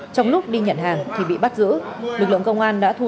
trong lúc đi nhận hàng thì bị bắt giữ